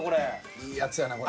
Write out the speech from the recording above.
いいやつやなこれ。